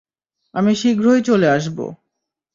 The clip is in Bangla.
আমি শীঘ্রই চলে আসব।